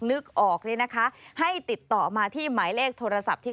นึกออกเนี่ยนะคะให้ติดต่อมาที่หมายเลขโทรศัพท์ที่